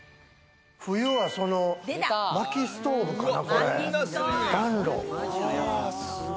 冬は薪ストーブかな？